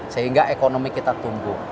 sehingga ekonomi kita tumbuh